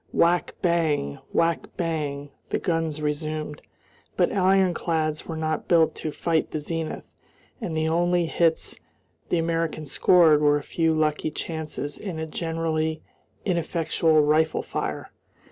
"Whack bang, whack bang," the guns resumed, but ironclads were not built to fight the zenith, and the only hits the Americans scored were a few lucky chances in a generally ineffectual rifle fire.